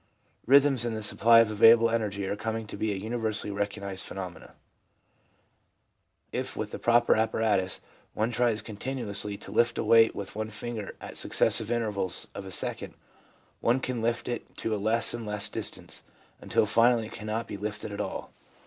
Rhythms in the supply of available energy are coming to be a universally recognised phenomenon. If, w T ith the proper apparatus, one tries continuously to lift a weight with one finger at successive intervals of a second, one can lift it to a less and less distance, until finally it cannot be lifted at all.